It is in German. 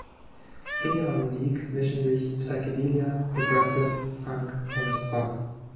In ihrer Musik mischen sich Psychedelia, Progressive, Funk und Rock.